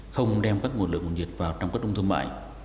không đem các nguồn lửa nguồn nhiệt vào trong các trung tâm thương mại